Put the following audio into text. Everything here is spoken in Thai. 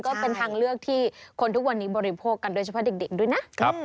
ก็เป็นทางเลือกที่คนทุกวันนี้บริโภคกันโดยเฉพาะเด็กด้วยนะ